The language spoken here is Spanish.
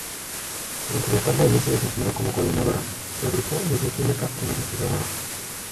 Durante su estancia allí se desempeñó como coordinadora del Grupo de Bioquímica e investigadora.